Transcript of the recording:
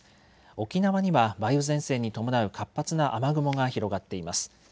沖縄には梅雨前線に伴う活発な雨雲が広がっています。